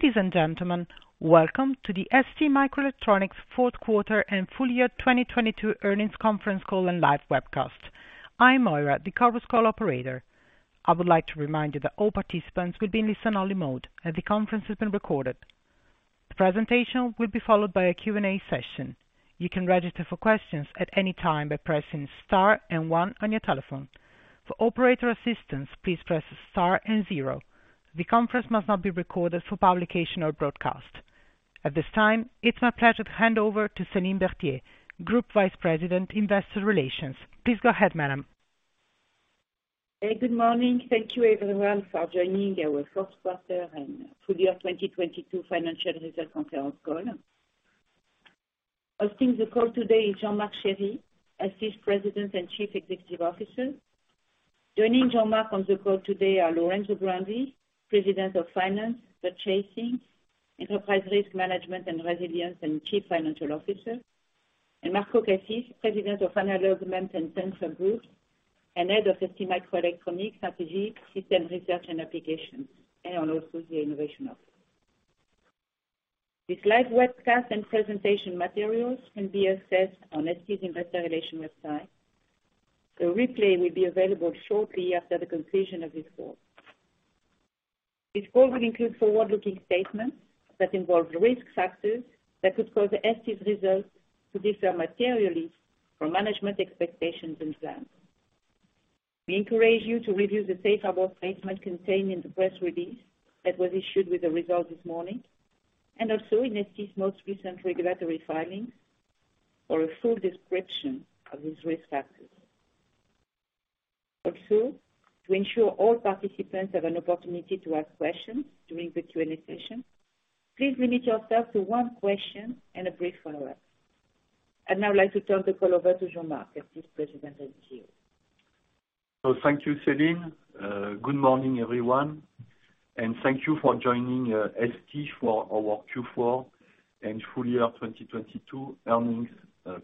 Ladies and gentlemen, welcome to the STMicroelectronics fourth quarter and full year 2022 earnings conference call and live webcast. I'm Moira, the conference call operator. I would like to remind you that all participants will be in listen only mode, and the conference is being recorded. The presentation will be followed by a Q&A session. You can register for questions at any time by pressing star and one on your telephone. For operator assistance, please press star and zero. The conference must not be recorded for publication or broadcast. At this time, it's my pleasure to hand over to Céline Berthier, Group Vice President, Investor Relations. Please go ahead, madam. Hey, good morning. Thank you everyone for joining our fourth quarter and full year 2022 financial results conference call. Hosting the call today is Jean-Marc Chéry, President and Chief Executive Officer. Joining Jean-Marc on the call today are Lorenzo Grandi, President of Finance, Purchasing, Enterprise Risk Management and Resilience, and Chief Financial Officer, and Marco Cassis, President of Analog, MEMS, and Sensors Group and head of STMicroelectronics Strategy, System Research, and Applications, and also the Innovation Office. This live webcast and presentation materials can be accessed on ST's investor relations website. The replay will be available shortly after the completion of this call. This call will include forward-looking statements that involve risk factors that could cause ST's results to differ materially from management expectations and plans. We encourage you to review the safe harbor statement contained in the press release that was issued with the results this morning, and also in ST's most recent regulatory filings for a full description of these risk factors. Also, to ensure all participants have an opportunity to ask questions during the Q&A session, please limit yourself to one question and a brief follow-up. I'd now like to turn the call over to Jean-Marc, Assistant President and CEO. Thank you, Céline. Good morning, everyone, and thank you for joining ST for our Q4 and full year 2022 earnings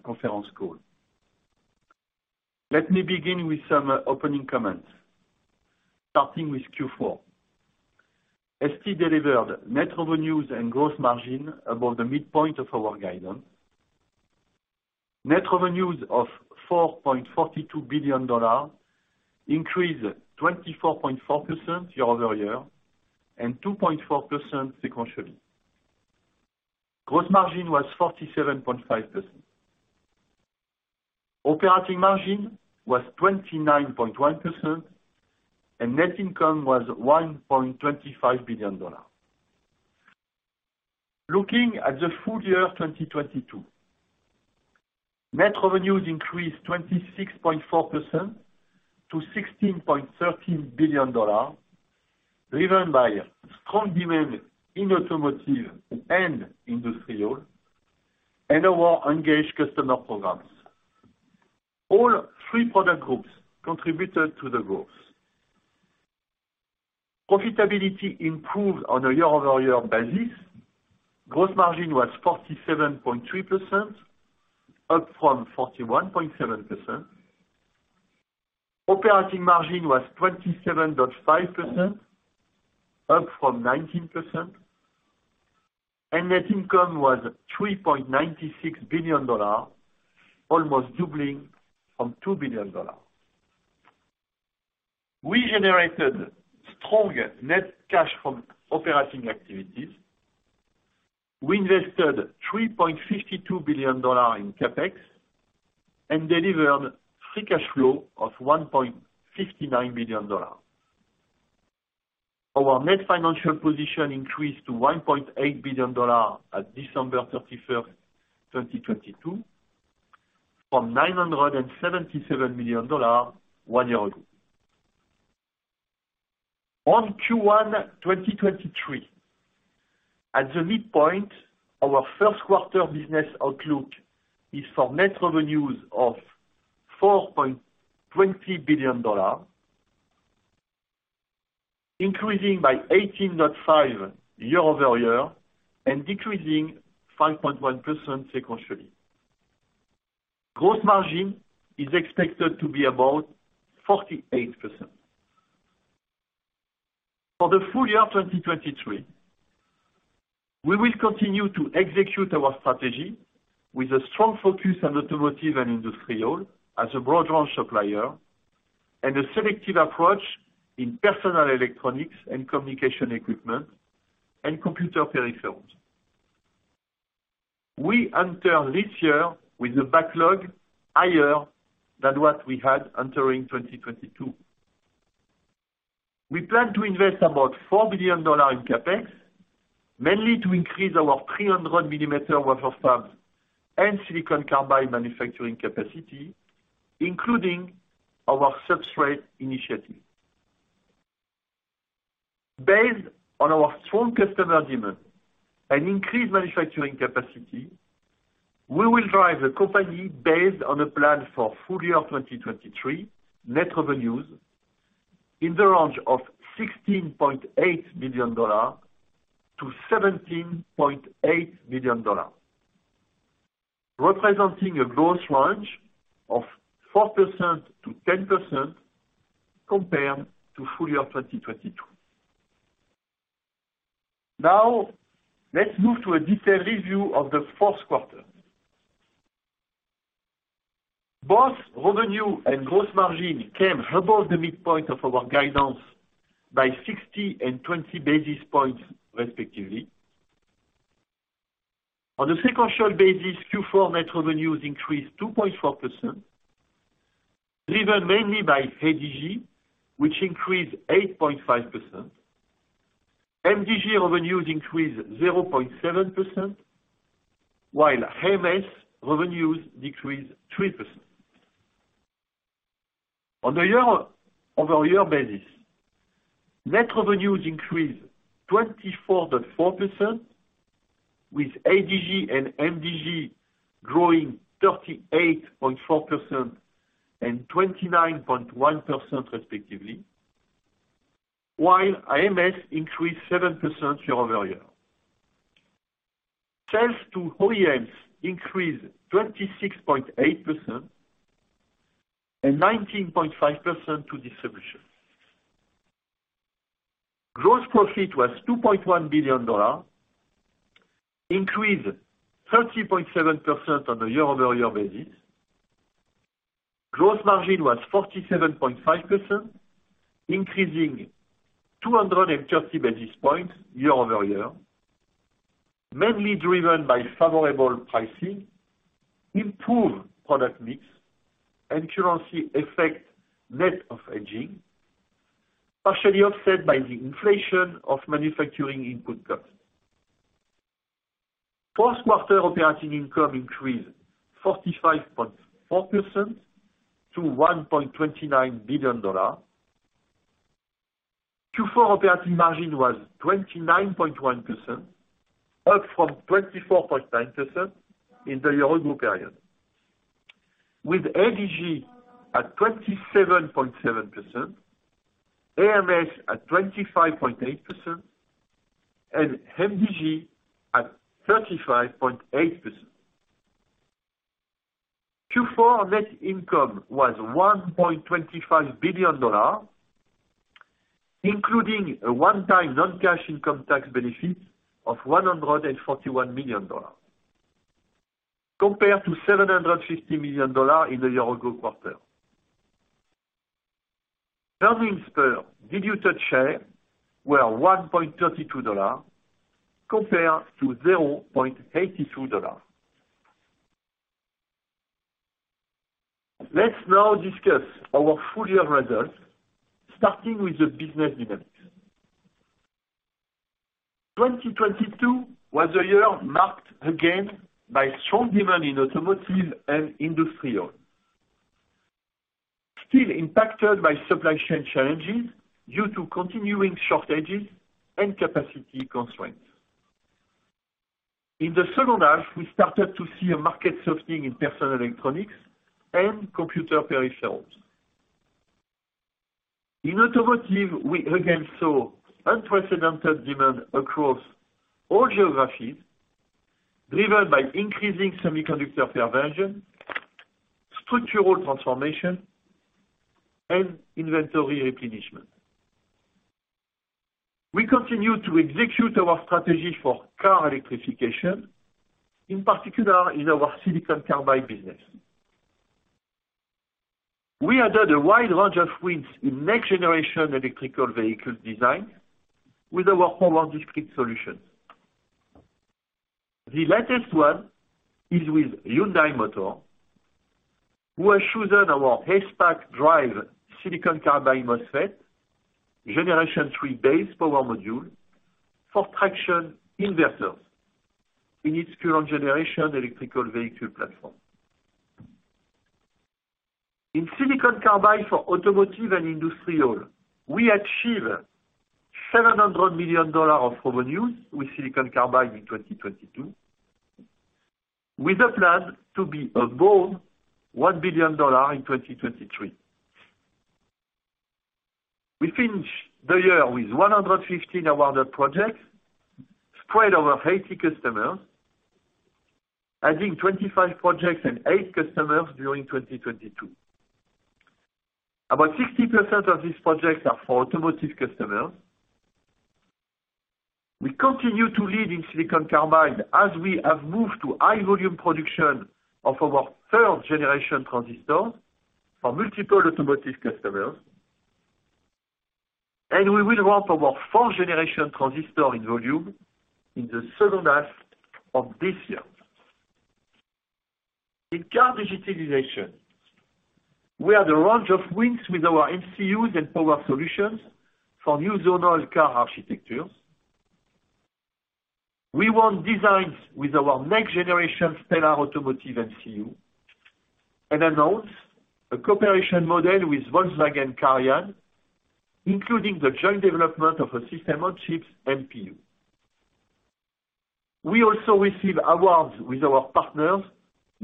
conference call. Let me begin with some opening comments, starting with Q4. ST delivered net revenues and gross margin above the midpoint of our guidance. Net revenues of $4.42 billion increased 24.4% year-over-year and 2.4% sequentially. Gross margin was 47.5%. Operating margin was 29.1% and net income was $1.25 billion. Looking at the full year 2022. Net revenues increased 26.4% to $16.13 billion, driven by strong demand in automotive and industrial and our engaged customer programs. All three product groups contributed to the growth. Profitability improved on a year-over-year basis. Gross margin was 47.3%, up from 41.7%. Operating margin was 27.5%, up from 19%, and net income was $3.96 billion, almost doubling from $2 billion. We generated strong net cash from operating activities. We invested $3.52 billion in CapEx and delivered free cash flow of $1.59 billion. Our net financial position increased to $1.8 billion at December 31st, 2022, from $977 million one year ago. On Q1 2023. At the midpoint, our first quarter business outlook is for net revenues of $4.20 billion, increasing by 18.5% year-over-year and decreasing 5.1% sequentially. Gross margin is expected to be about 48%. For the full year 2023, we will continue to execute our strategy with a strong focus on automotive and industrial as a broad run supplier and a selective approach in personal electronics and communication equipment and computer peripherals. We enter this year with a backlog higher than what we had entering 2022. We plan to invest about $4 billion in CapEx, mainly to increase our 300 millimeter wafer fab and silicon carbide manufacturing capacity, including our substrate initiative. Based on our strong customer demand and increased manufacturing capacity, we will drive the company based on a plan for full year 2023 net revenues in the range of $16.8 billion-$17.8 billion. Representing a growth range of 4%-10% compared to full year 2022. Let's move to a detailed review of the fourth quarter. Both revenue and gross margin came above the midpoint of our guidance by 60 and 20 basis points respectively. On a sequential basis, Q4 net revenues increased 2.4%, driven mainly by ADG, which increased 8.5%. MDG revenues increased 0.7%, while AMS revenues decreased 3%. On the year-over-year basis, net revenues increased 24.4% with ADG and MDG growing 38.4% and 29.1% respectively, while AMS increased 7% year-over-year. Sales to OEMs increased 26.8% and 19.5% to distribution. Gross profit was $2.1 billion, increased 30.7% on a year-over-year basis. Gross margin was 47.5%, increasing 230 basis points year-over-year, mainly driven by favorable pricing, improved product mix and currency effect net of hedging, partially offset by the inflation of manufacturing input costs. Fourth quarter operating income increased 45.4% to $1.29 billion. Q4 operating margin was 29.1%, up from 24.9% in the year ago period, with ADG at 27.7%, AMS at 25.8%, and MDG at 35.8%. Q4 net income was $1.25 billion, including a one-time non-cash income tax benefit of $141 million, compared to $750 million in the year ago quarter. Earnings per diluted share were $1.32 compared to $0.82. Let's now discuss our full year results, starting with the business development. 2022 was a year marked again by strong demand in automotive and industrial. Still impacted by supply chain challenges due to continuing shortages and capacity constraints. In the second half, we started to see a market softening in personal electronics and computer peripherals. In automotive, we again saw unprecedented demand across all geographies, driven by increasing semiconductor penetration, structural transformation, and inventory replenishment. We continue to execute our strategy for car electrification, in particular in our silicon carbide business. We added a wide range of wins in next-generation electrical vehicle design with our power discrete solutions. The latest one is with Hyundai Motor, who has chosen our ACEPACK DRIVE silicon carbide MOSFET, Generation 3 base power module for traction inverters in its current generation electrical vehicle platform. In silicon carbide for automotive and industrial, we achieved $700 million of revenues with silicon carbide in 2022, with a plan to be above $1 billion in 2023. We finish the year with 115 awarded projects spread over 80 customers, adding 25 projects and eight customers during 2022. About 60% of these projects are for automotive customers. We continue to lead in silicon carbide as we have moved to high volume production of our third generation transistor for multiple automotive customers. We will ramp our fourth generation transistor in volume in the second half of this year. In car digitalization, we had a range of wins with our MCUs and power solutions for new zonal car architectures. We won designs with our next generation Stellar Automotive MCU and announced a cooperation model with Volkswagen CARIAD, including the joint development of a system-on-chips MPU. We also received awards with our partners,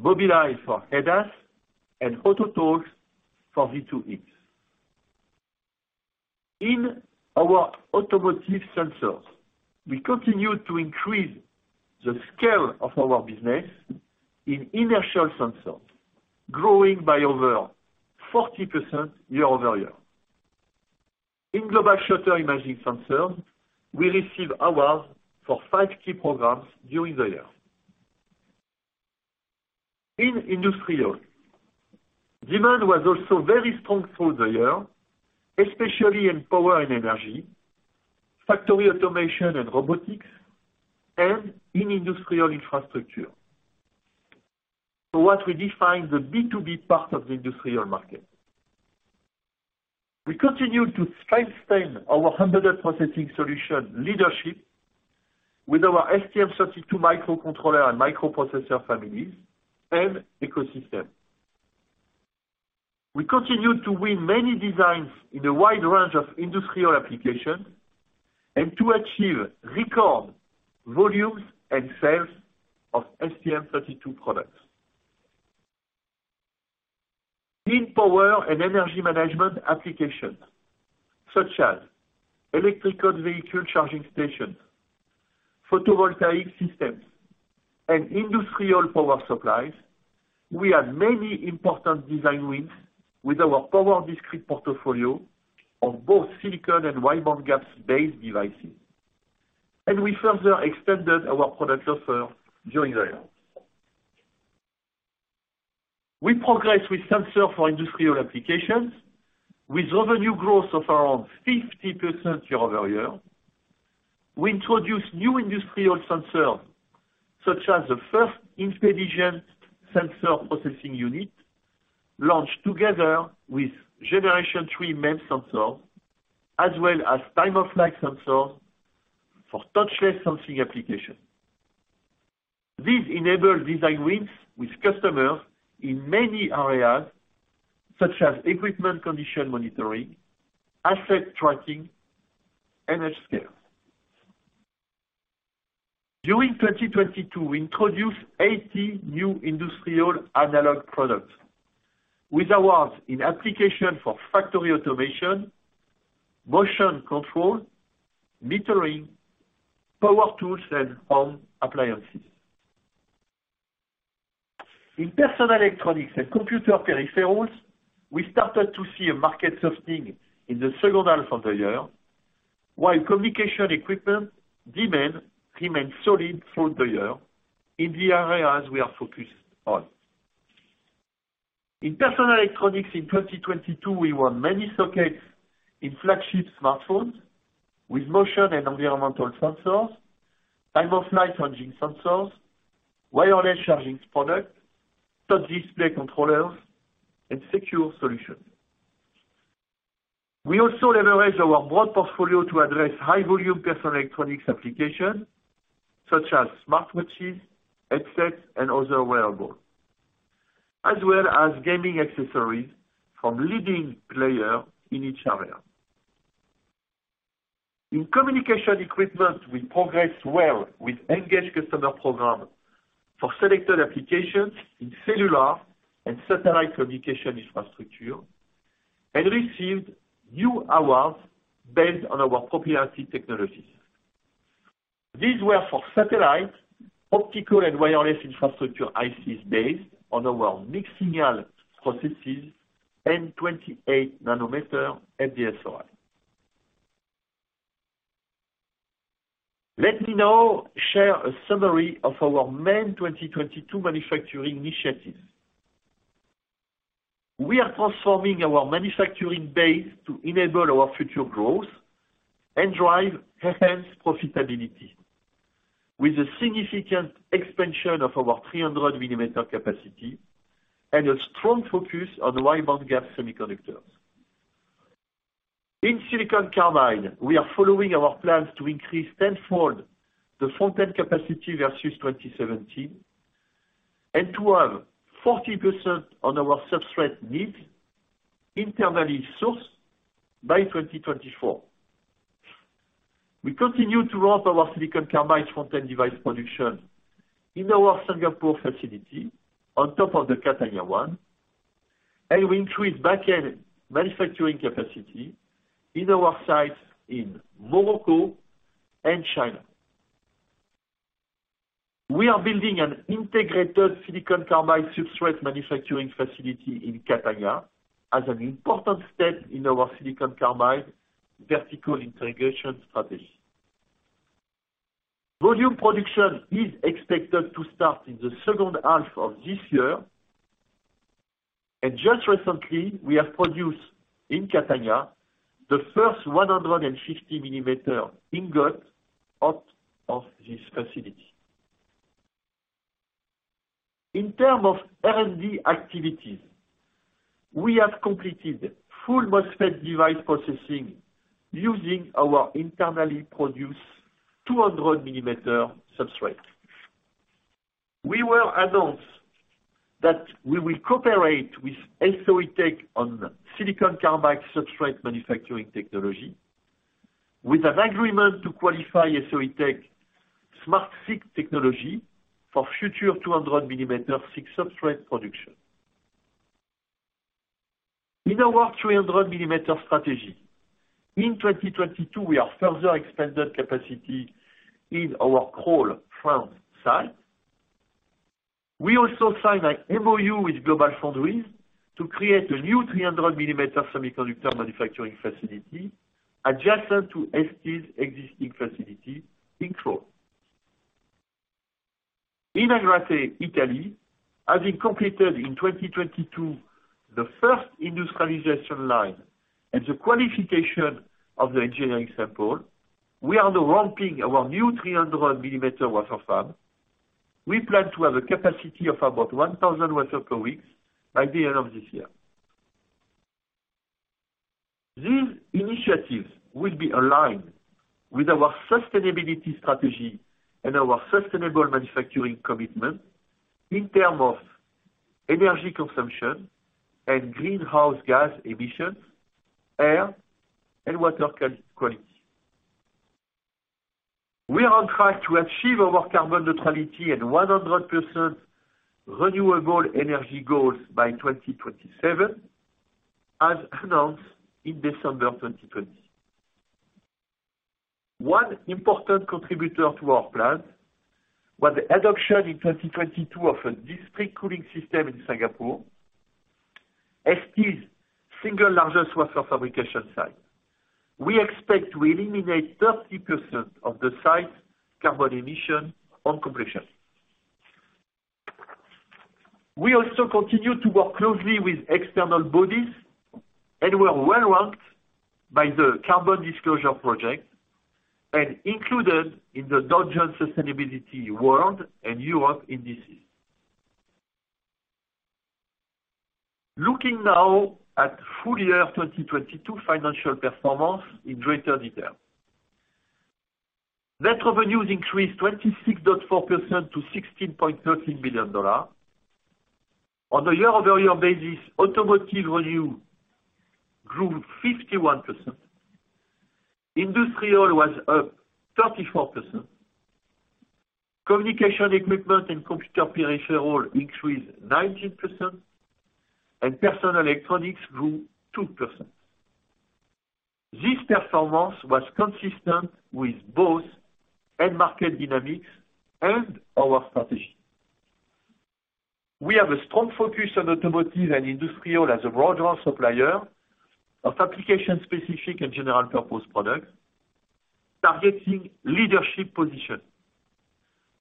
Mobileye for ADAS and Autotalks for V2V. In our automotive sensors, we continue to increase the scale of our business in inertial sensors, growing by over 40% year-over-year. In global shutter imaging sensors, we received awards for five key programs during the year. In industrial, demand was also very strong through the year, especially in power and energy, factory automation and robotics, and in industrial infrastructure. What we define the B2B part of the industrial market. We continue to strengthen our embedded processing solution leadership with our STM32 microcontroller and microprocessor families and ecosystem. We continue to win many designs in a wide range of industrial applications and to achieve record volumes and sales of STM32 products. In power and energy management applications, such as electrical vehicle charging stations, photovoltaic systems, and industrial power supplies, we had many important design wins with our power discrete portfolio of both silicon and wide bandgap-based devices, and we further extended our product offer during the year. We progress with sensor for industrial applications with revenue growth of around 50% year-over-year. We introduced new industrial sensors, such as the first intelligent sensor processing unit, launched together with Generation 3 main sensor, as well as time-of-flight sensor for touchless sensing application. These enable design wins with customers in many areas, such as equipment condition monitoring, asset tracking, and scales. During 2022, we introduced 80 new industrial analog products with awards in application for factory automation, motion control, metering, power tools, and home appliances. In personal electronics and computer peripherals, we started to see a market softening in the second half of the year, while communication equipment demand remained solid through the year in the areas we are focused on. In personal electronics in 2022, we won many sockets in flagship smartphones with motion and environmental sensors, time-of-flight sensing sensors, wireless charging product, touch display controllers, and secure solutions. We also leverage our broad portfolio to address high volume personal electronics applications, such as smartwatches, headsets, and other wearables, as well as gaming accessories from leading player in each area. In communication equipment, we progress well with engaged customer program for selected applications in cellular and satellite communication infrastructure and received new awards based on our proprietary technologies. These were for satellite, optical, and wireless infrastructure ICs based on our mixed-signal processes and 28 nanometer FD-SOI. Let me now share a summary of our main 2022 manufacturing initiatives. We are transforming our manufacturing base to enable our future growth and drive enhanced profitability with a significant expansion of our 300 millimeter capacity and a strong focus on wide bandgap semiconductors. In silicon carbide, we are following our plans to increase 10-fold the front-end capacity versus 2017, and to have 40% on our substrate needs internally sourced by 2024. We continue to ramp our silicon carbide front-end device production in our Singapore facility on top of the Catania 1, and we increase back-end manufacturing capacity in our sites in Morocco and China. We are building an integrated silicon carbide substrate manufacturing facility in Catania as an important step in our silicon carbide vertical integration strategy. Volume production is expected to start in the second half of this year. Just recently, we have produced in Catania the first 150 millimeter ingot out of this facility. In term of R&D activities, we have completed full MOSFET device processing using our internally produced 200 millimeter substrate. We will announce that we will cooperate with Soitec on silicon carbide substrate manufacturing technology. With an agreement to qualify Soitec SmartSiC technology for future 200 millimeter thick substrate production. In our 300 millimeter strategy, in 2022, we have further expanded capacity in our Crolles, France site. We also signed an MOU with GlobalFoundries to create a new 300 millimeter semiconductor manufacturing facility adjacent to ST's existing facility in Crolles. In Agrate, Italy, having completed in 2022 the first industrialization line and the qualification of the engineering sample, we are now ramping our new 300 millimeter wafer fab. We plan to have a capacity of about 1,000 wafers per week by the end of this year. These initiatives will be aligned with our sustainability strategy and our sustainable manufacturing commitment in terms of energy consumption and greenhouse gas emissions, air and water quality. We are on track to achieve our carbon neutrality and 100% renewable energy goals by 2027, as announced in December 2020. One important contributor to our plan was the adoption in 2022 of a district cooling system in Singapore, ST's single largest wafer fabrication site. We expect to eliminate 30% of the site's carbon emissions on completion. We also continue to work closely with external bodies. We are well-ranked by the Carbon Disclosure Project and included in the Dow Jones Sustainability World and Europe indices. Looking now at full year 2022 financial performance in greater detail. Net revenues increased 26.4% to $16.13 billion. On a year-over-year basis, automotive revenue grew 51%. Industrial was up 34%. Communication equipment and computer peripheral increased 19%, and personal electronics grew 2%. This performance was consistent with both end market dynamics and our strategy. We have a strong focus on automotive and industrial as a broader supplier of application-specific and general purpose products, targeting leadership position.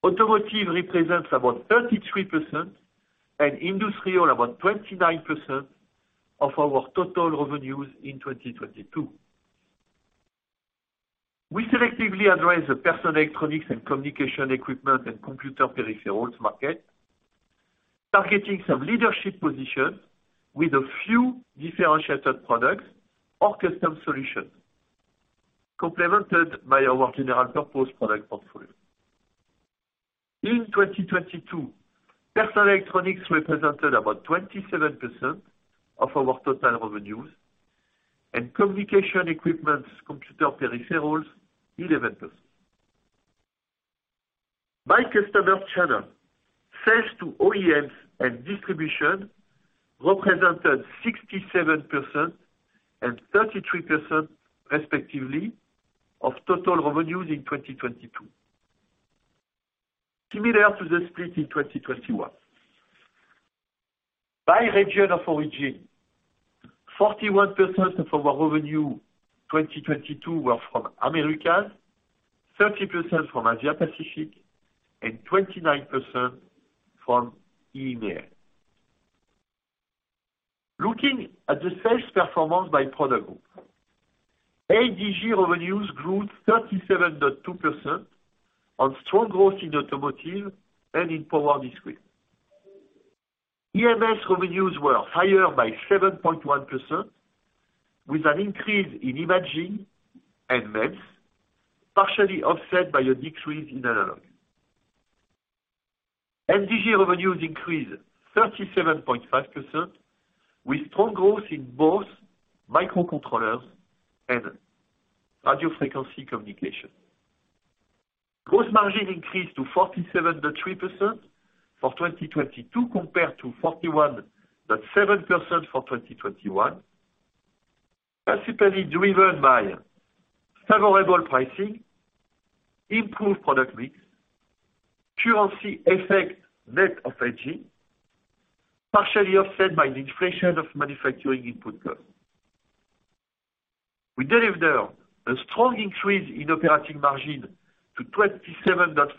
Automotive represents about 33% and industrial about 29% of our total revenues in 2022. We selectively address the personal electronics and communication equipment and computer peripherals market, targeting some leadership positions with a few differentiated products or custom solutions, complemented by our general purpose product portfolio. In 2022, personal electronics represented about 27% of our total revenues and communication equipment, computer peripherals, 11%. By customer channel, sales to OEMs and distribution represented 67% and 33% respectively of total revenues in 2022. Similar to the split in 2021. By region of origin, 41% of our revenue 2022 were from Americas, 30% from Asia Pacific, and 29% from EMEA. Looking at the sales performance by product group, ADG revenues grew 37.2% on strong growth in automotive and in power discrete. AMS revenues were higher by 7.1% with an increase in imaging and MEMS, partially offset by a decrease in analog. MDG revenues increased 37.5% with strong growth in both microcontrollers and radio frequency communication. Gross margin increased to 47.3% for 2022 compared to 41.7% for 2021. Principally driven by favorable pricing, improved product mix, currency effect net of hedging, partially offset by the inflation of manufacturing input costs. We delivered a strong increase in operating margin to 27.5%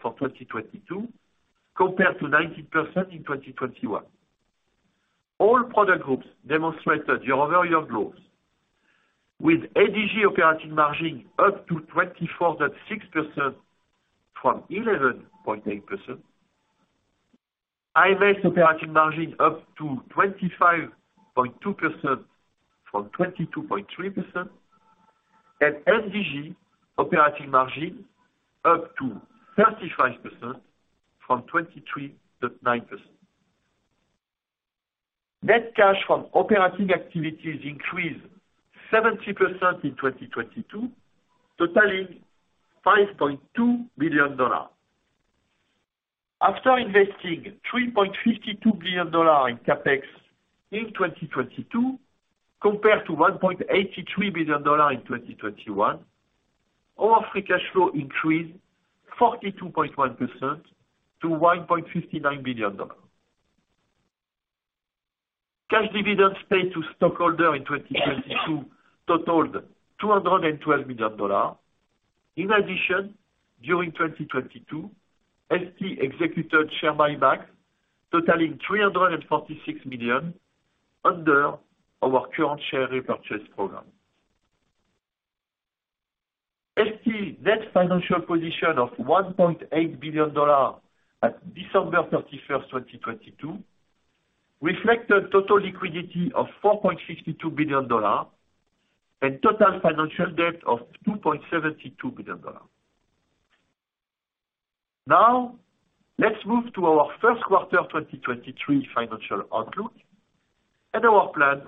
for 2022 compared to 19% in 2021. All product groups demonstrated year-over-year growth with ADG operating margin up to 24.6% from 11.8%. AMS operating margin up to 25.2% from 22.3%, MDG operating margin up to 35% from 23.9%. Net cash from operating activities increased 70% in 2022, totaling $5.2 billion. After investing $3.52 billion in CapEx in 2022 compared to $1.83 billion in 2021, our free cash flow increased 42.1% to $1.59 billion. Cash dividends paid to stockholder in 2022 totaled $212 million. In addition, during 2022, ST executed share buyback totaling $346 million under our current share repurchase program. ST net financial position of $1.8 billion at December 31st, 2022, reflected total liquidity of $4.62 billion and total financial debt of $2.72 billion. Let's move to our first quarter 2023 financial outlook and our plan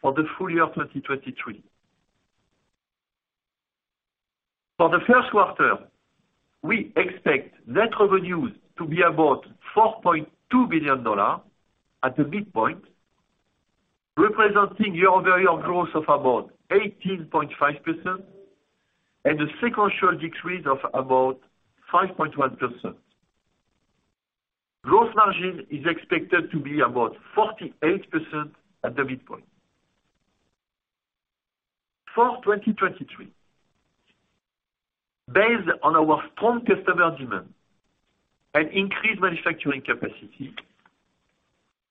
for the full year 2023. For the first quarter, we expect net revenues to be about $4.2 billion at the midpoint, representing year-over-year growth of about 18.5% and a sequential decrease of about 5.1%. Gross margin is expected to be about 48% at the midpoint. For 2023, based on our strong customer demand and increased manufacturing capacity,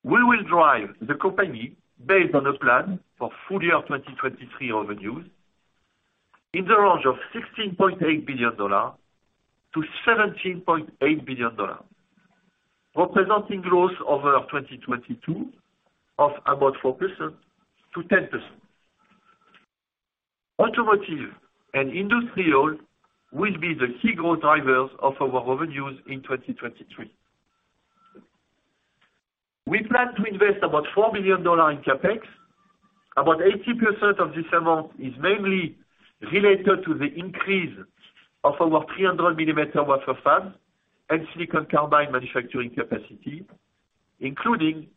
we will drive the company based on a plan for full year 2023 revenues in the range of $16.8 billion-$17.8 billion, representing growth over 2022 of about 4%-10%. Automotive and industrial will be the key growth drivers of our revenues in 2023. We plan to invest about $4 billion in CapEx. About 80% of this amount is mainly related to the increase of our 300 millimeter wafer fab and silicon carbide manufacturing capacity, including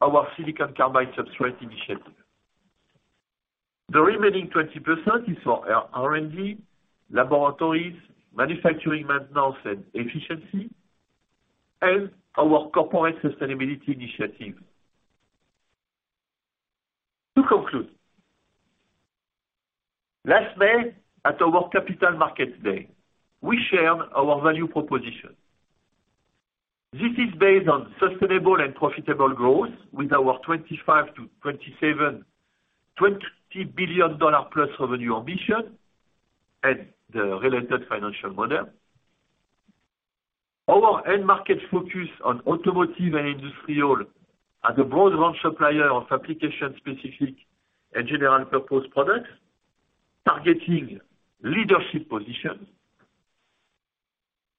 our silicon carbide substrate initiative. The remaining 20% is for our R&D, laboratories, manufacturing maintenance and efficiency, and our corporate sustainability initiatives. To conclude, last May at our Capital Markets Day, we shared our value proposition. This is based on sustainable and profitable growth with our $25-$27, $20 billion+ revenue ambition and the related financial model. Our end market focus on automotive and industrial as a broad run supplier of application-specific and general purpose products, targeting leadership positions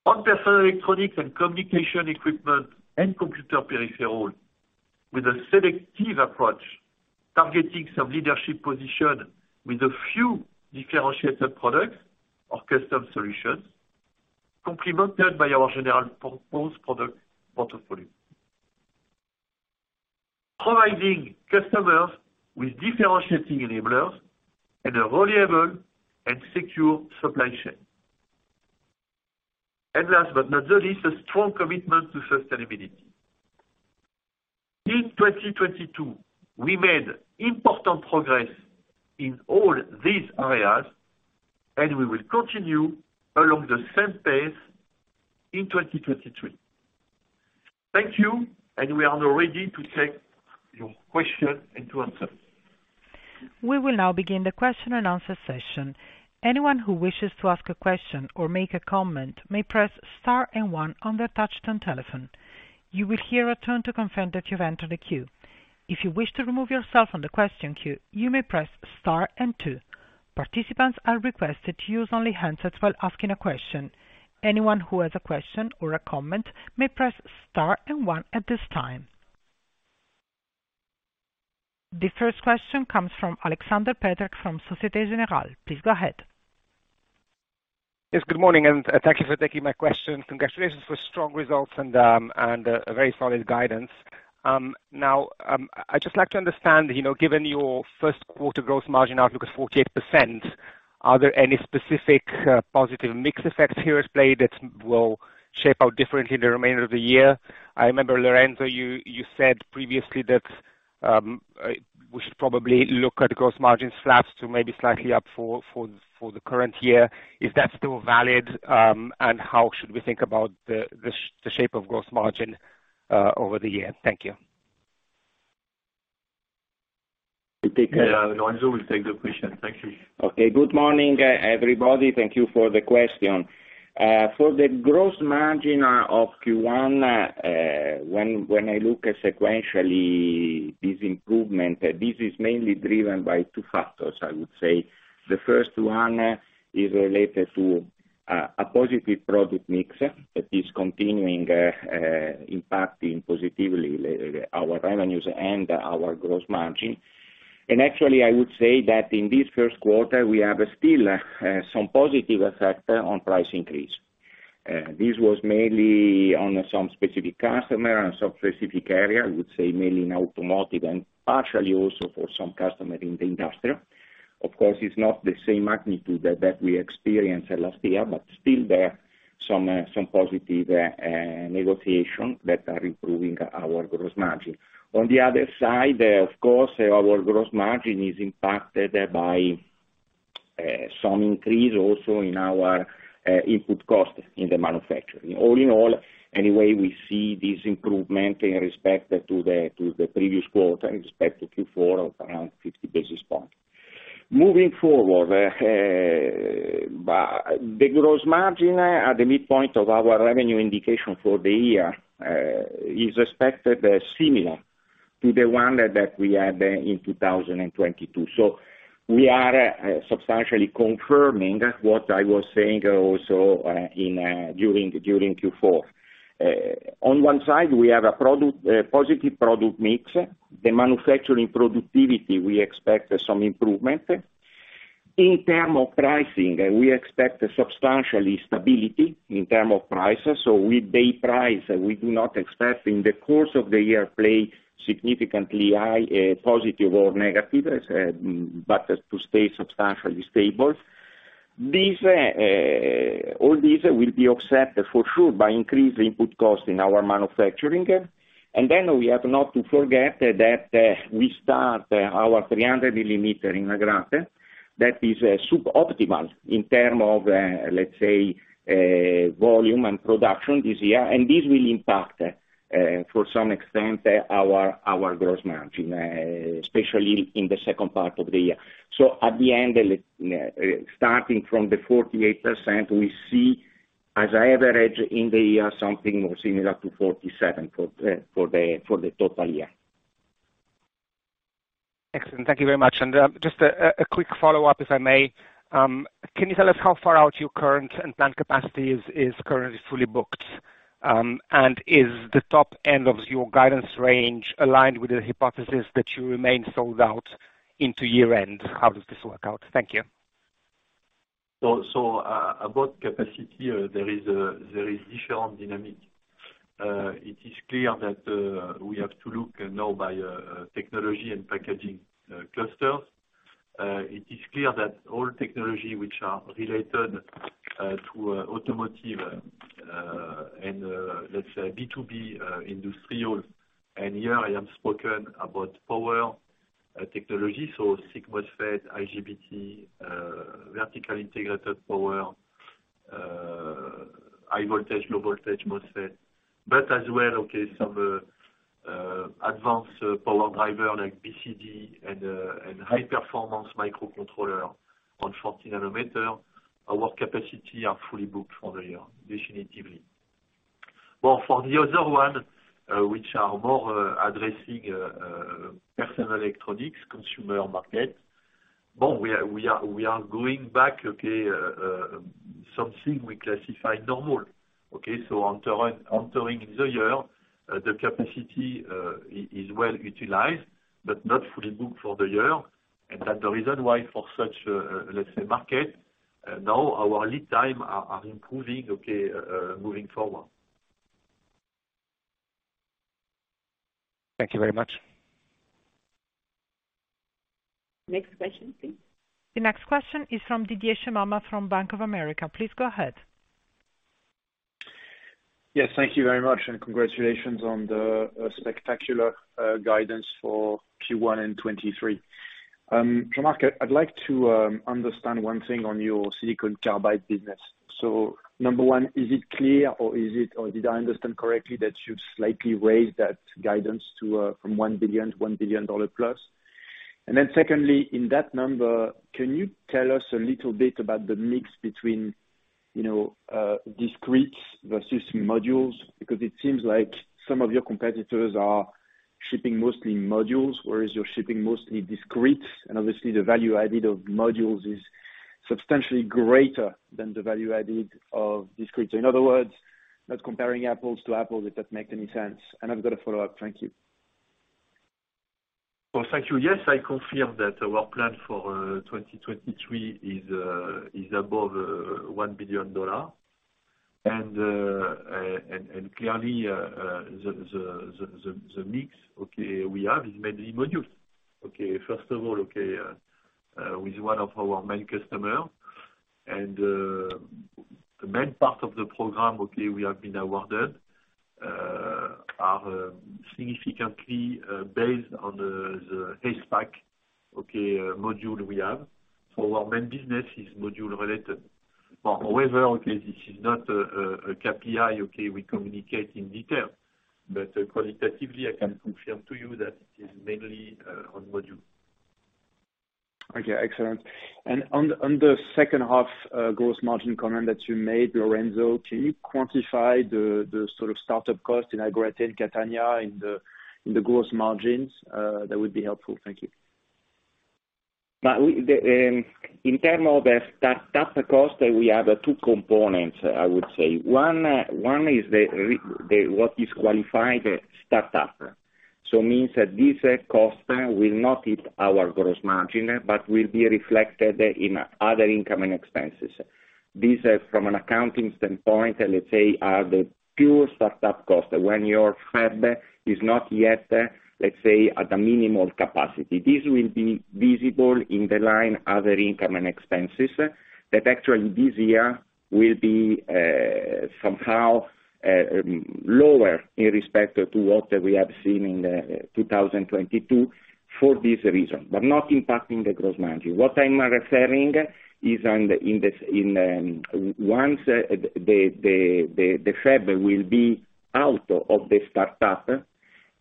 on personal electronics and communication equipment and computer peripherals, with a selective approach targeting some leadership position with a few differentiated products or custom solutions complemented by our general purpose product portfolio. Providing customers with differentiating enablers and a reliable and secure supply chain. Last but not the least, a strong commitment to sustainability. In 2022, we made important progress in all these areas, and we will continue along the same pace in 2023. Thank you. We are now ready to take your question and to answer. We will now begin the question and answer session. Anyone who wishes to ask a question or make a comment may press star and one on their touchtone telephone. You will hear a tone to confirm that you've entered a queue. If you wish to remove yourself from the question queue, you may press star and two. Participants are requested to use only handsets while asking a question. Anyone who has a question or a comment may press star and one at this time. The first question comes from Alexander Peterc from Societe Generale. Please go ahead. Yes, good morning, and thank you for taking my question. Congratulations for strong results and a very solid guidance. Now, I'd just like to understand, you know, given your first quarter gross margin outlook of 48%, are there any specific positive mix effects here at play that will shape out differently in the remainder of the year? I remember, Lorenzo, you said previously that we should probably look at gross margin flaps to maybe slightly up for the current year. Is that still valid? How should we think about the shape of gross margin over the year? Thank you. You take that. Yeah, Lorenzo will take the question. Thank you. Okay. Good morning, everybody. Thank you for the question. For the gross margin of Q1, when I look sequentially this improvement, this is mainly driven by two factors, I would say. The first one is related to a positive product mix that is continuing impacting positively our revenues and our gross margin. Actually, I would say that in this first quarter, we have still some positive effect on price increase. This was mainly on some specific customer and some specific area, I would say mainly in automotive and partially also for some customer in the industrial. Of course, it's not the same magnitude that we experienced last year, but still there some positive negotiation that are improving our gross margin. On the other side, of course, our gross margin is impacted by some increase also in our input cost in the manufacturing. All in all, anyway, we see this improvement in respect to the previous quarter and expect Q4 of around 50 basis points. Moving forward, the gross margin at the midpoint of our revenue indication for the year is expected similar to the one that we had in 2022. We are substantially confirming what I was saying also, during Q4. On one side, we have a product, positive product mix. The manufacturing productivity, we expect some improvement. In term of pricing, we expect a substantially stability in term of prices. With the price, we do not expect in the course of the year play significantly high, positive or negative, as, but to stay substantially stable. These, all these will be offset for sure by increased input cost in our manufacturing. We have not to forget that, we start our 300 millimeter. That is sub-optimal in terms of, let's say, volume and production this year. This will impact, to some extent our gross margin, especially in the second part of the year. At the end, starting from the 48%, we see as average in the year, something more similar to 47% for the total year. Excellent. Thank you very much. Just a quick follow-up, if I may. Can you tell us how far out your current and plant capacity is currently fully booked? Is the top end of your guidance range aligned with the hypothesis that you remain sold out into year-end? How does this work out? Thank you. About capacity, there is different dynamic. It is clear that we have to look now by technology and packaging clusters. It is clear that all technology which are related to automotive and, let's say B2B, industrial. Here I have spoken about power technology, so six MOSFET, IGBT, vertical integrated power, high voltage, low voltage MOSFET. As well, okay, some advanced power driver like BCD and high performance microcontroller on 40 nanometer. Our capacity are fully booked for the year, definitively. For the other one, which are more addressing personal electronics, consumer market. We are going back, okay, something we classify normal, okay? Entering the year, the capacity is well utilized but not fully booked for the year. That the reason why for such a, let's say, market, now our lead time are improving, okay, moving forward. Thank you very much. Next question, please. The next question is from Didier Scemama from Bank of America. Please go ahead. Yes, thank you very much, congratulations on the spectacular guidance for Q1 in 2023. Jean-Marc Chéry, I'd like to understand one thing on your silicon carbide business. Number one, is it clear or did I understand correctly that you've slightly raised that guidance to from $1 billion to $1 billion+? Secondly, in that number, can you tell us a little bit about the mix between, you know, discretes versus modules? Because it seems like some of your competitors are shipping mostly modules, whereas you're shipping mostly discretes. Obviously the value added of modules is substantially greater than the value added of discrete. In other words, not comparing apples to apples, if that makes any sense. I've got a follow-up. Thank you. Well, thank you. Yes, I confirm that our plan for 2023 is above $1 billion. Clearly, the mix, okay, we have is mainly modules. Okay, first of all, okay, with one of our main customer and the main part of the program, okay, we have been awarded, are significantly based on the ACEPACK, okay, module we have. Our main business is module related. However, okay, this is not a KPI, okay, we communicate in detail. Qualitatively, I can confirm to you that it is mainly on module. Okay, excellent. On the second half, gross margin comment that you made, Lorenzo, can you quantify the sort of start-up cost in Catania in the gross margins? That would be helpful. Thank you. We, the, in term of the startup cost, we have two components, I would say. One, one is the what is qualified startup. Means that this cost will not hit our gross margin, but will be reflected in other income and expenses. This is from an accounting standpoint, let's say, are the pure start-up costs. When your fab is not yet, let's say, at the minimal capacity. This will be visible in the line other income and expenses, that actually this year will be somehow lower in respect to what we have seen in 2022 for this reason, but not impacting the gross margin. What I'm referring is on the in once the fab will be out of the startup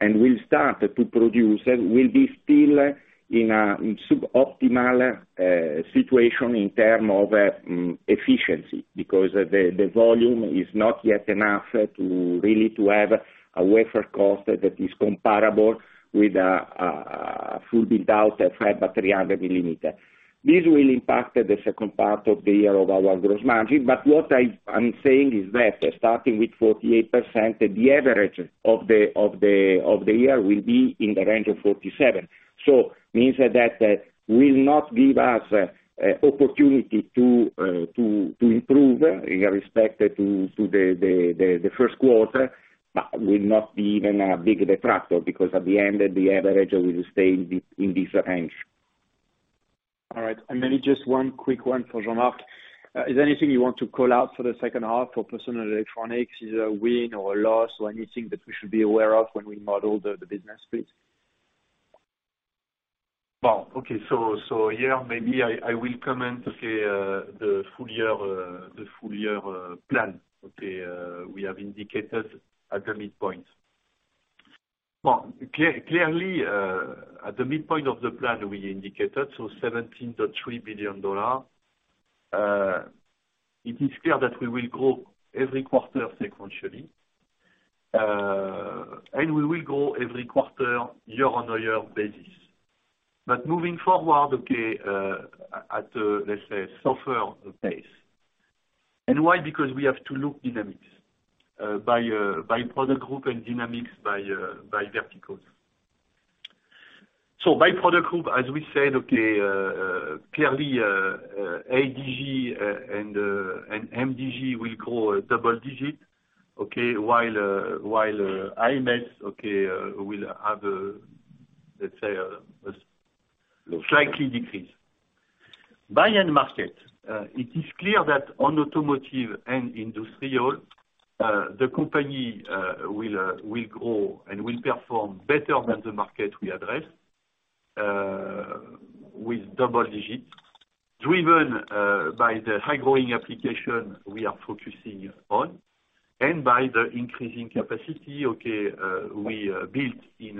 and will start to produce, will be still in a sub-optimal situation in term of efficiency. Because the volume is not yet enough to really to have a wafer cost that is comparable with a full build-out at fab 300 millimeter. This will impact the second part of the year of our gross margin. What I'm saying is that starting with 48%, the average of the year will be in the range of 47%. Means that will not give us opportunity to improve in respect to the first quarter, but will not be even a big detractor because at the end, the average will stay in this range. All right. Just one quick one for Jean-Marc. Is there anything you want to call out for the second half for personal electronics, a win or a loss, or anything that we should be aware of when we model the business, please? Yeah, maybe I will comment the full year plan. We have indicated at the midpoint. Clearly, at the midpoint of the plan we indicated, $17.3 billion, it is clear that we will grow every quarter sequentially. We will grow every quarter year-on-year basis. Moving forward, at a softer pace. Why? Because we have to look dynamics by product group and dynamics by verticals. By product group, as we said, clearly, ADG and MDG will grow double digit. While MDG will have a slightly decrease. By end market, it is clear that on automotive and industrial, the company will grow and will perform better than the market we address with double digits, driven by the high-growing application we are focusing on and by the increasing capacity, okay, we built in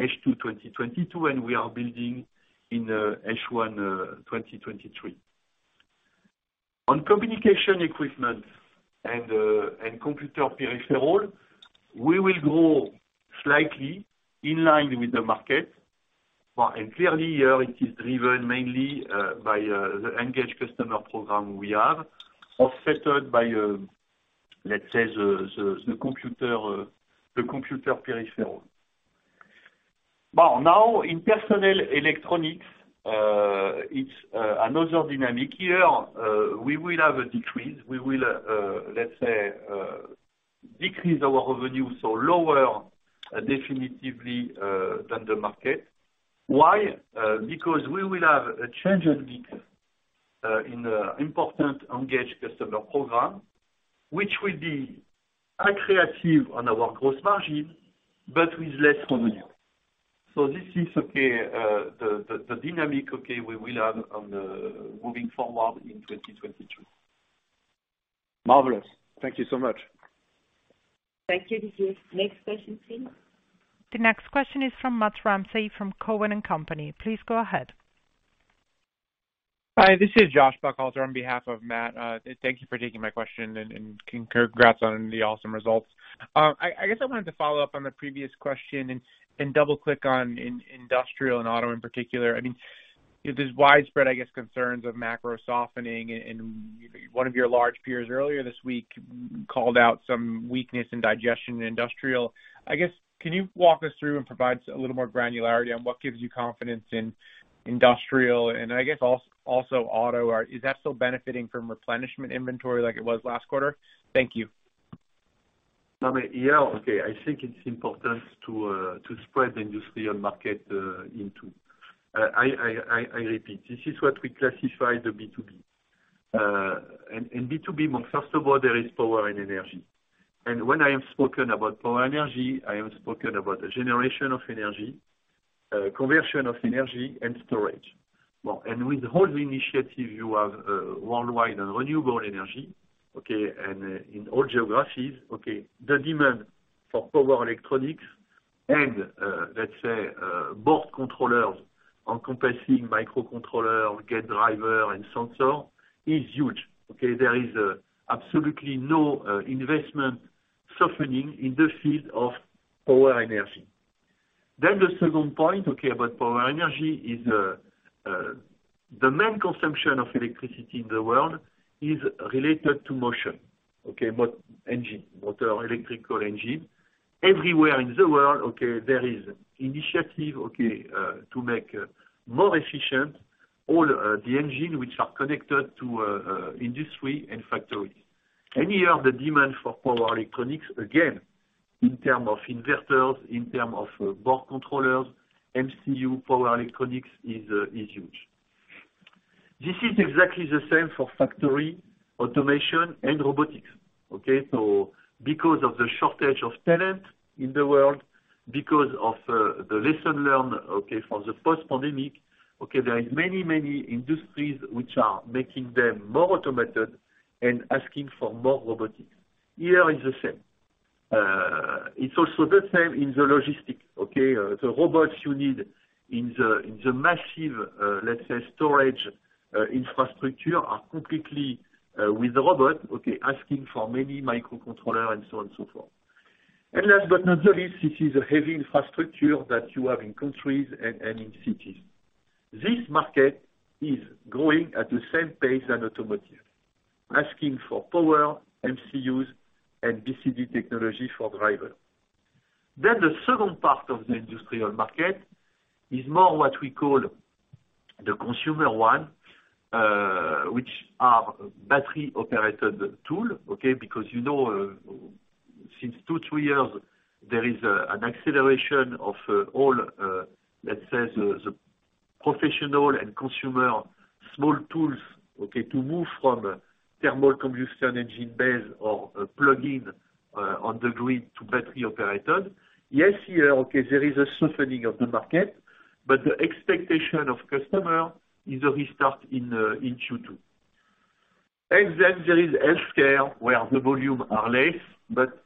H2 2022 and we are building in H1 2023. On communication equipment and computer peripheral, we will grow slightly in line with the market. Clearly here it is driven mainly by the engaged customer program we have, offsetting by, let's say, the computer peripheral. Well, now in personal electronics, it's another dynamic. Here, we will have a decrease. We will, let's say, decrease our revenue, so lower definitively than the market. Why? Because we will have a change in mix, in important engaged customer program, which will be accretive on our gross margin, but with less revenue. This is okay, the dynamic, okay, we will have moving forward in 2022. Marvelous. Thank you so much. Thank you. This is next question, please. The next question is from Matthew Ramsay from Cowen and Company. Please go ahead. Hi, this is Joshua Buchalter on behalf of Matt. Thank you for taking my question and congrats on the awesome results. I guess, I wanted to follow up on the previous question and double-click on industrial and auto in particular. I mean, there's widespread, I guess, concerns of macro softening, and one of your large peers earlier this week called out some weakness in digestion in industrial. I guess, can you walk us through and provide a little more granularity on what gives you confidence in industrial and also auto? Is that still benefiting from replenishment inventory like it was last quarter? Thank you. Yeah, okay. I think it's important to spread the industrial market into. I repeat, this is what we classify the B2B. B2B, well, first of all, there is power and energy. When I have spoken about power energy, I have spoken about the generation of energy, conversion of energy and storage. With the whole initiative you have worldwide on renewable energy, okay, and in all geographies, okay, the demand for power electronics and, let's say, both controllers encompassing microcontrollers get driver and sensor is huge, okay? There is absolutely no investment softening in the field of power energy. The second point, okay, about power energy is the main consumption of electricity in the world is related to motion, okay, engine, motor, electrical engine. Everywhere in the world, okay, there is initiative, okay, to make more efficient all the engine which are connected to industry and factories. Here the demand for power electronics, again, in term of investors, in term of board controllers, MCU power electronics is huge. This is exactly the same for factory automation and robotics, okay? Because of the shortage of talent in the world, because of the lesson learned, okay, from the post-pandemic, okay, there are many, many industries which are making them more automated and asking for more robotics. Here is the same. It's also the same in the logistic, okay? The robots you need in the, in the massive, let's say storage, infrastructure are completely with the robot, okay, asking for many microcontroller and so on and so forth. Last but not least, this is a heavy infrastructure that you have in countries and in cities. This market is growing at the same pace than automotive. Asking for power, MCUs, and BCD technology for driver. The second part of the industrial market is more what we call the consumer one, which are battery-operated tool. You know, since two, three years, there is an acceleration of all, let's say the professional and consumer small tools to move from thermal combustion engine base or a plug-in on the grid to battery operated. Yes, here, there is a softening of the market, but the expectation of customer is a restart in Q2. There is healthcare, where the volume are less, but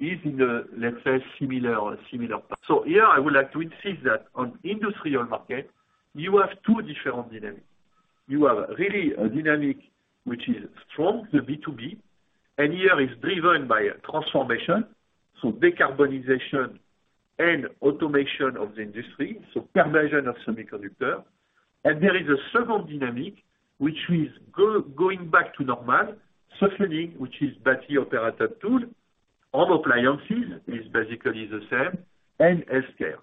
is in a, let's say similar. Here I would like to insist that on industrial market, you have two different dynamics. You have really a dynamic which is strong, the B2B. Here is driven by a transformation, so decarbonization and automation of the industry, so conversion of semiconductor. There is a second dynamic, which is going back to normal, softening, which is battery operated tool. Home appliances is basically the same, and healthcare.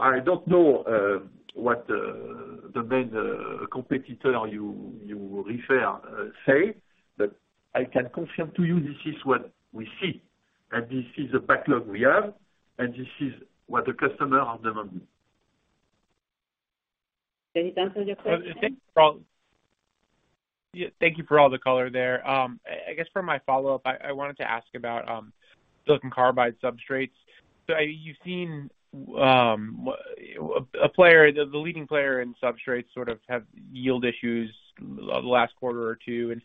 I don't know what the main competitor you refer say, but I can confirm to you this is what we see, and this is the backlog we have, and this is what the customer are demanding. Did he answer your question? Thank you for all the color there. I guess, for my follow-up, I wanted to ask about silicon carbide substrates. You've seen a player, the leading player in substrates sort of have yield issues the last quarter or two, and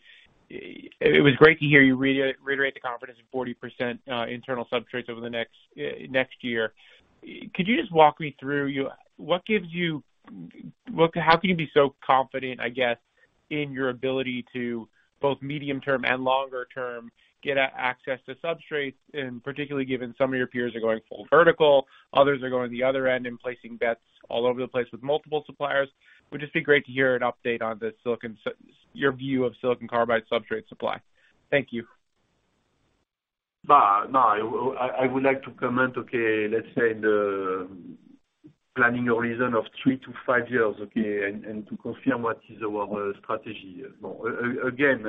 it was great to hear you reiterate the confidence of 40% internal substrates over the next next year. Could you just walk me through, what gives you... How can you be so confident, I guess, in your ability to both medium term and longer term, get access to substrates, and particularly given some of your peers are going full vertical, others are going the other end and placing bets all over the place with multiple suppliers? Would just be great to hear an update on your view of silicon carbide substrate supply. Thank you. No, no, I would like to comment, okay, let's say the planning horizon of three to five years, okay, and to confirm what is our strategy. No, again,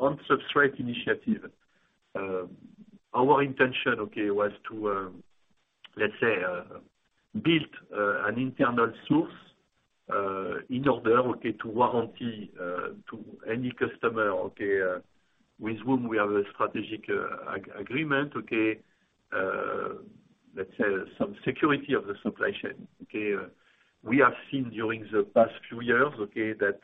on substrate initiative, our intention, okay, was to, let's say, build an internal source in order, okay, to warranty to any customer, okay, with whom we have a strategic agreement, okay, let's say some security of the supply chain. Okay. We have seen during the past few years, okay, that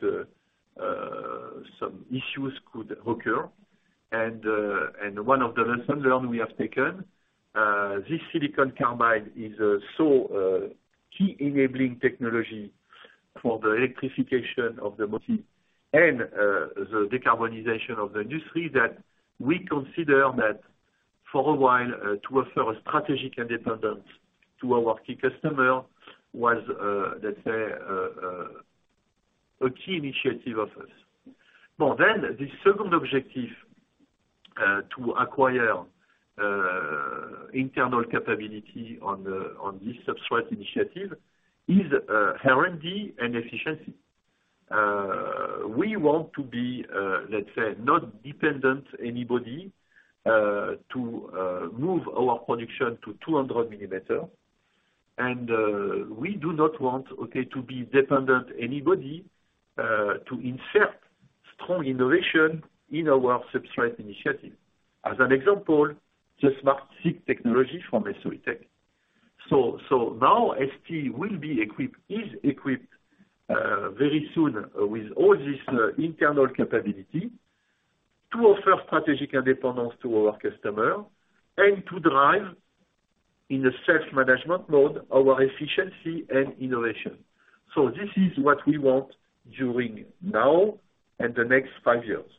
some issues could occur. One of the lesson learned we have taken, this silicon carbide is so key enabling technology for the electrification of the machine and the decarbonization of the industry that we consider that for a while, to offer a strategic independence to our key customer was, let's say, a key initiative of us. The second objective, to acquire internal capability on on this substrate initiative is R&D and efficiency. We want to be, let's say, not dependent anybody, to move our production to 200 millimeter. We do not want, okay, to be dependent anybody, to insert strong innovation in our substrate initiative. As an example, the SmartSiC technology from Soitec. Now ST will be equipped, is equipped, very soon with all this internal capability. To offer strategic independence to our customer and to drive in a self-management mode our efficiency and innovation. This is what we want during now and the next five years.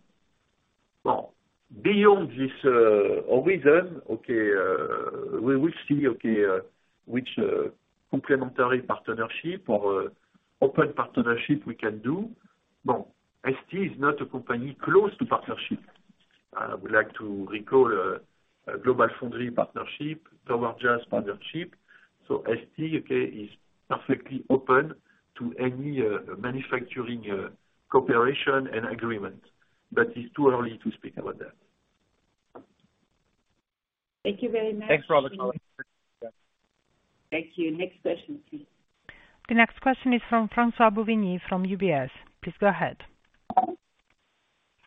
Beyond this horizon, we will see which complementary partnership or open partnership we can do. ST is not a company close to partnership. I would like to recall a GlobalFoundries partnership, TowerJazz partnership. ST is perfectly open to any manufacturing cooperation and agreement, but it's too early to speak about that. Thank you very much. Thanks for all the color. Thank you. Next question, please. The next question is from François Bouvignies from UBS. Please go ahead.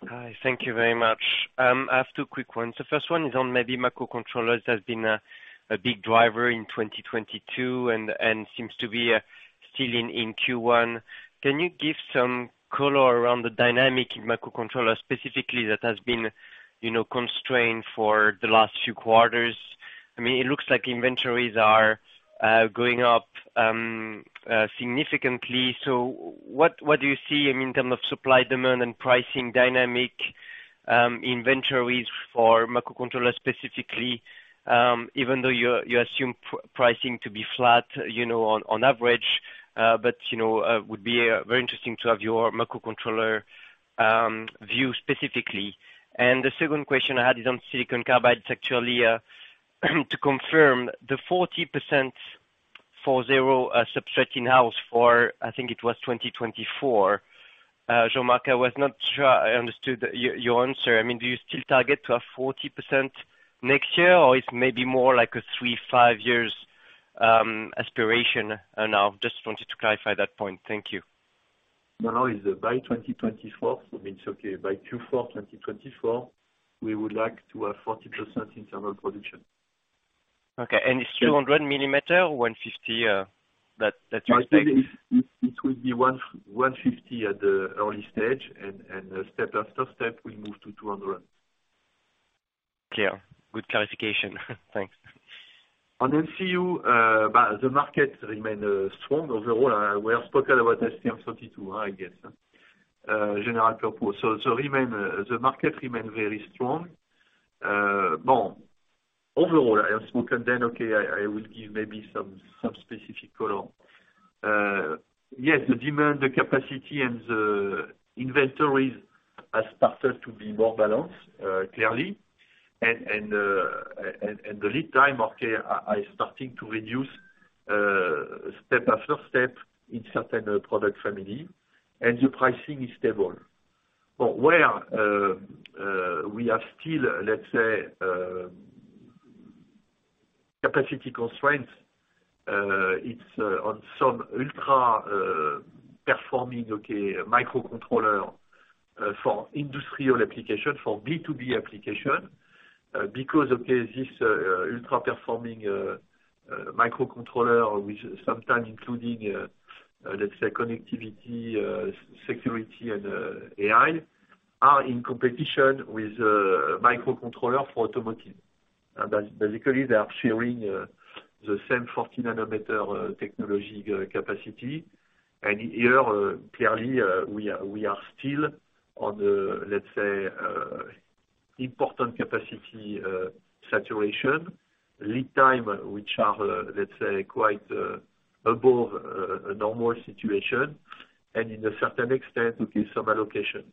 Hi. Thank you very much. I have two quick ones. The first one is on maybe microcontrollers that have been a big driver in 2022 and seems to be still in Q1. Can you give some color around the dynamic in microcontroller specifically that has been, you know, constrained for the last few quarters? I mean, it looks like inventories are going up significantly. What do you see, I mean, in term of supply demand and pricing dynamic, inventories for microcontroller specifically, even though you assume pricing to be flat, you know, on average. You know, would be very interesting to have your microcontroller view specifically. The second question I had is on silicon carbide. It's actually, to confirm the 40% for zero substrate in-house for, I think it was 2024. Jean-Marc, I was not sure I understood your answer. I mean, do you still target to have 40% next year, or it's maybe more like a three, five years aspiration? I just wanted to clarify that point. Thank you. No, no. It's by 2024. It means, by Q4 2024, we would like to have 40% internal production. Okay. It's 200 millimeter, 150, that you expect? It will be 150 at the early stage and step after step we move to 200. Clear. Good clarification. Thanks. On MCU, by the market remain strong overall. We have spoken about STM32, I guess, general purpose. Remain, the market remains very strong. Overall, I have spoken then, okay, I will give maybe some specific color. Yes, the demand, the capacity and the inventories has started to be more balanced clearly. The lead time, okay, are starting to reduce step after step in certain product family. The pricing is stable. Where we have still, let's say, capacity constraints, it's on some ultra performing, okay, microcontroller for industrial application, for B2B application. Okay, this ultra performing microcontroller, which sometimes including, let's say connectivity, security and AI, are in competition with microcontroller for automotive. Basically, they are sharing the same 40 nanometer technology capacity. Here, clearly, we are still on the, let's say, important capacity saturation, lead time, which are, let's say, quite above a normal situation, and in a certain extent, with some allocation.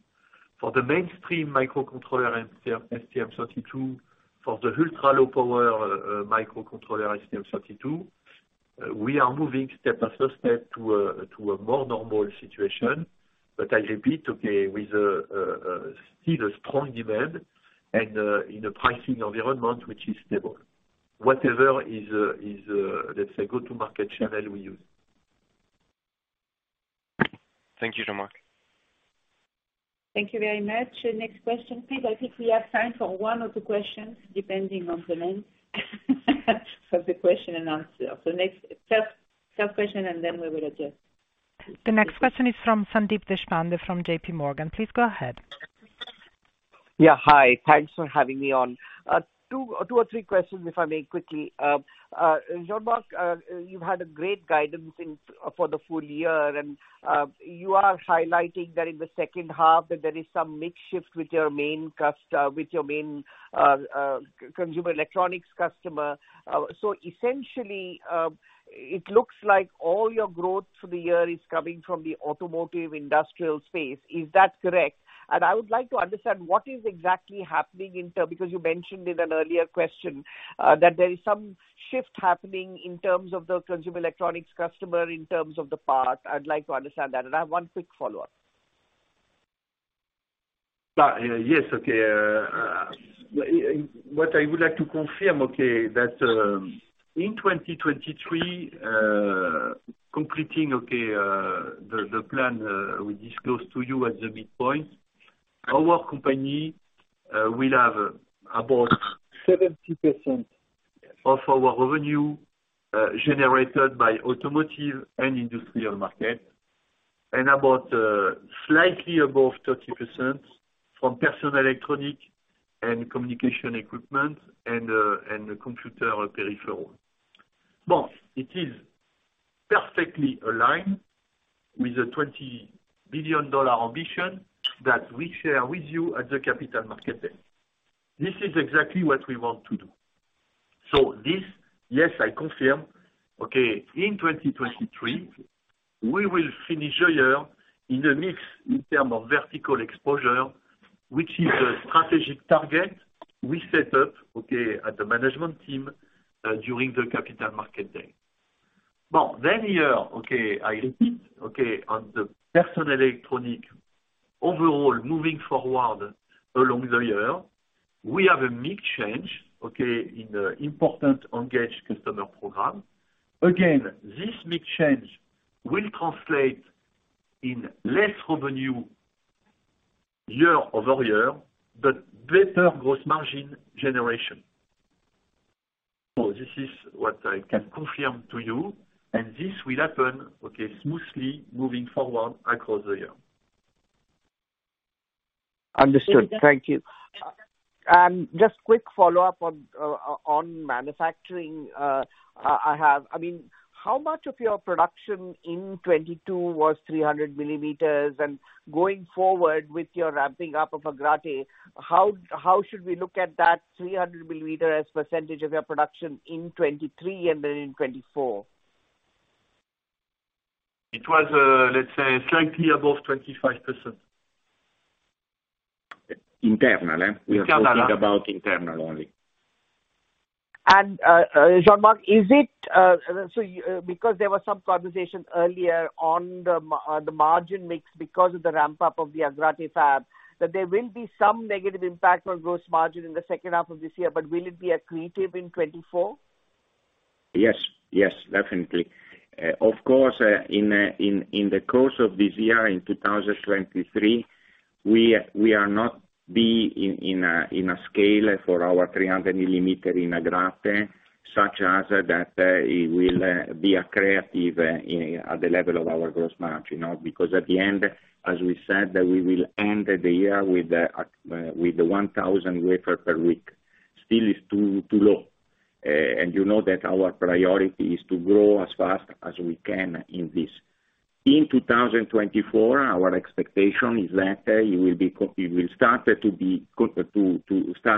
For the mainstream microcontroller STM, STM32, for the ultra-low power microcontroller STM32, we are moving step by step to a more normal situation. I repeat, okay, with still a strong demand and in a pricing environment which is stable, whatever is, let's say go to market channel we use. Thank you, Jean-Marc. Thank you very much. Next question, please. I think we have time for one or two questions, depending on the length of the question and answer. Third question and then we will adjust. The next question is from Sandeep Deshpande from JPMorgan. Please go ahead. Hi. Thanks for having me on. two or three questions if I may quickly. Jean-Marc, you've had a great guidance for the full year. You are highlighting that in the second half that there is some mix shift with your main consumer electronics customer. So essentially, it looks like all your growth for the year is coming from the automotive industrial space. Is that correct? I would like to understand what is exactly happening. Because you mentioned in an earlier question, that there is some shift happening in terms of the consumer electronics customer, in terms of the part. I'd like to understand that. I have one quick follow-up. Yes, what I would like to confirm, that in 2023, completing the plan we disclosed to you at the midpoint, our company will have about 70% of our revenue generated by automotive and industrial market, and about slightly above 30% from personal electronic and communication equipment and computer peripheral. It is perfectly aligned with the $20 billion ambition that we share with you at the capital market day. This is exactly what we want to do. This, yes, I confirm, in 2023, we will finish the year in a mix in term of vertical exposure, which is a strategic target we set up as a management team during the capital market day. Here, okay, I repeat, okay, on the personal electronic overall moving forward along the year, we have a mix change, okay, in the important engaged customer program. This mix change will translate in less revenue year-over-year, but better gross margin generation. This is what I can confirm to you, and this will happen, okay, smoothly moving forward across the year. Understood. Thank you. Just quick follow-up on manufacturing, I have. I mean, how much of your production in 2022 was 300 millimeters? Going forward with your ramping up of Agrate, how should we look at that 300 millimeter as percentage of your production in 2023 and then in 2024? It was, let's say slightly above 25%. Internal, eh? Internal. We are talking about internal only. Jean-Marc, is it, so because there was some conversation earlier on the margin mix because of the ramp-up of the Agrate fab, that there will be some negative impact on gross margin in the second half of this year, but will it be accretive in 2024? Yes. Yes, definitely. Of course, in the course of this year, in 2023, we are not be in a scale for our 300 millimeter in Agrate, such as that it will be accretive at the level of our gross margin, you know. At the end, as we said, we will end the year with the 1,000 wafer per week. Still is too low. You know that our priority is to grow as fast as we can in this. In 2024, our expectation is that you will start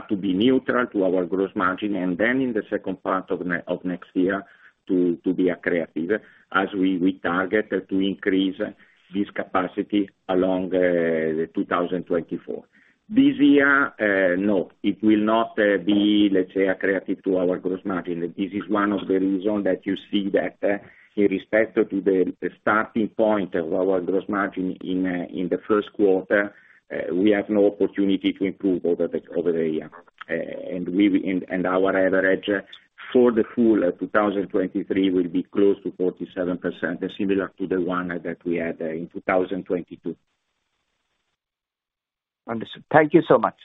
to be neutral to our gross margin, and then in the second part of next year, to be accretive, as we target to increase this capacity along the 2024. This year, no, it will not be, let's say, accretive to our gross margin. This is one of the reason that you see that in respect to the starting point of our gross margin in the first quarter, we have no opportunity to improve over the year. Our average for the full 2023 will be close to 47%, similar to the one that we had in 2022. Understood. Thank you so much.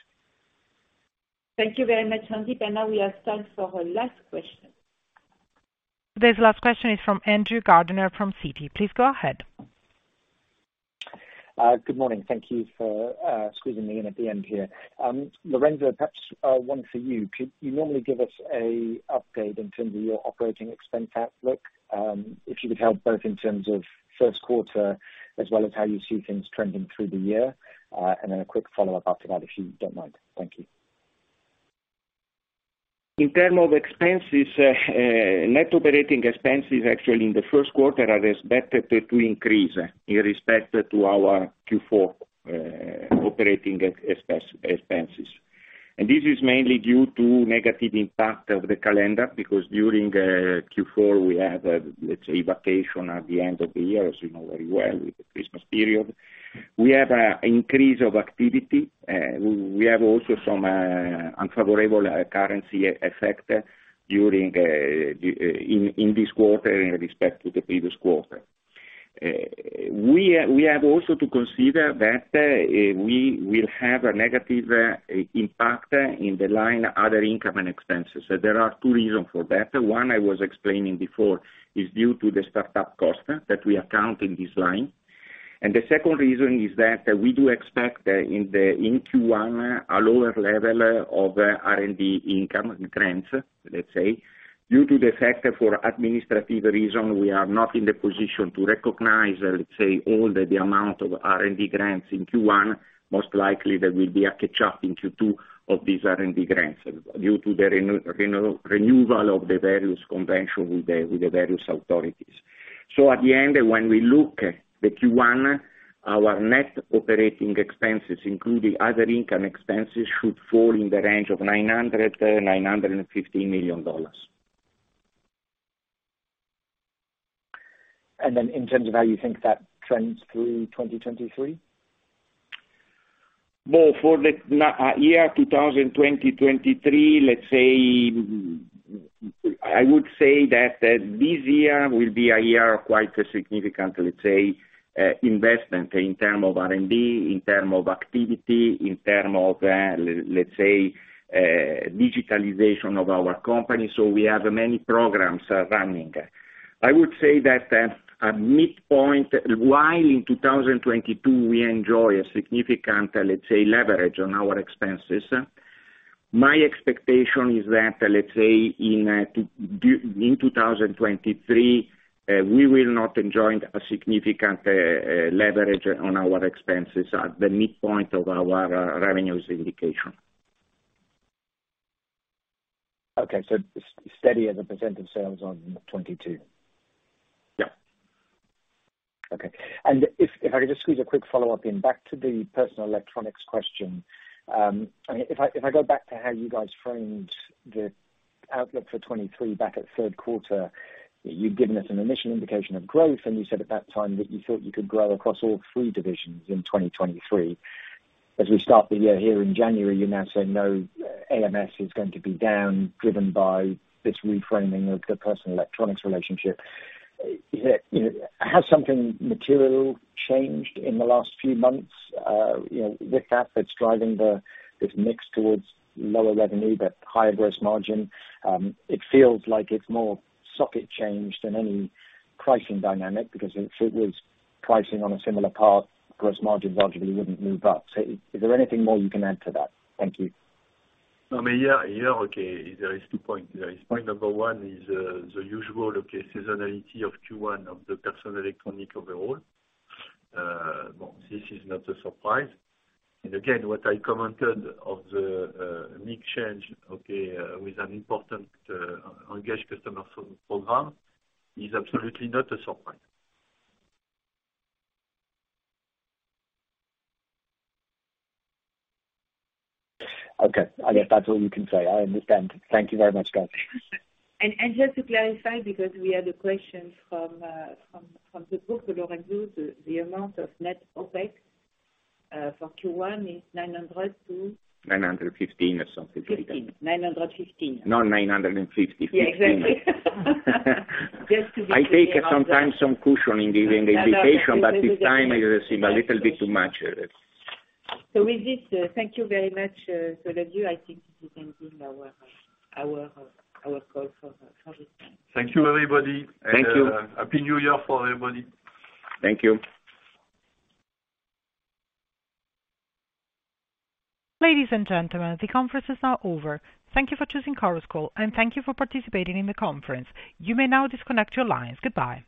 Thank you very much, Sandeep. Now we have time for our last question. Today's last question is from Andrew Gardiner from Citigroup. Please go ahead. Good morning. Thank you for squeezing me in at the end here. Lorenzo, perhaps, one for you. Could you normally give us a update in terms of your OpEx outlook? If you could help both in terms of first quarter as well as how you see things trending through the year. Then a quick follow-up after that if you don't mind. Thank you. In term of expenses, net operating expenses actually in the first quarter are expected to increase in respect to our Q4 operating expenses. This is mainly due to negative impact of the calendar, because during Q4 we have, let's say, vacation at the end of the year, as you know very well, with the Christmas period. We have increase of activity. We have also some unfavorable currency effect in this quarter in respect to the previous quarter. We have also to consider that we will have a negative impact in the line other income and expenses. There are two reasons for that. One, I was explaining before, is due to the start-up cost that we account in this line. The second reason is that we do expect in Q1 a lower level of R&D income grants, let's say. Due to the fact that for administrative reason we are not in the position to recognize, let's say, all the amount of R&D grants in Q1. Most likely there will be a catch-up in Q2 of these R&D grants due to the renewal of the various convention with the various authorities. At the end, when we look the Q1, our net operating expenses, including other income expenses, should fall in the range of $900 million-$950 million. In terms of how you think that trends through 2023? Well, for the year 2020, 2023, let's say, I would say that this year will be a year of quite a significant, let's say, investment in term of R&D, in term of activity, in term of, let's say, digitalization of our company. We have many programs running. I would say that, while in 2022 we enjoy a significant, let's say, leverage on our expenses, my expectation is that, let's say, in 2023, we will not enjoy a significant leverage on our expenses at the midpoint of our revenues indication. Okay. Steady as a percent of sales on 2022. Yeah. Okay. If, if I could just squeeze a quick follow-up in. Back to the personal electronics question. I mean, if I, if I go back to how you guys framed the outlook for 2023 back at third quarter, you'd given us an initial indication of growth, and you said at that time that you thought you could grow across all three divisions in 2023. As we start the year here in January, you're now saying no, AMS is going to be down, driven by this reframing of the personal electronics relationship. You know, has something material changed in the last few months, you know, with that that's driving this mix towards lower revenue but higher gross margin? It feels like it's more socket change than any pricing dynamic, because if it was pricing on a similar path, gross margin logically wouldn't move up. Is there anything more you can add to that? Thank you. I mean, yeah. Yeah, okay. There is two point. There is point number 1 is the usual, okay, seasonality of Q1 of the personal electronic overall. Well, this is not a surprise. Again, what I commented of the mix change, okay, with an important engaged customer pro-program is absolutely not a surprise. Okay. I guess, that's all you can say. I understand. Thank you very much, guys. Just to clarify, because we had a question from the book with Lorenzo, the amount of net OpEx for Q1 is $900. $915 or something like that. $15. $915. Not $950. $15. Yeah, exactly. Just to be clear on that. I take sometimes some cushion in giving the indication, but this time it received a little bit too much. With this, thank you very much for the view. I think this concludes our call for this time. Thank you, everybody. Thank you. Happy New Year for everybody. Thank you. Ladies and gentlemen, the conference is now over. Thank you for choosing Chorus Call, and thank you for participating in the conference. You may now disconnect your lines. Goodbye.